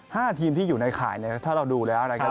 ห้าทีมที่อยู่ในข่ายเนี่ยถ้าเราดูแล้วนะครับ